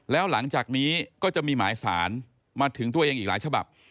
แล้วหลังจากนี้ก็จะมีหมายสารมาถึงตัวเองอีกหลายฉบับ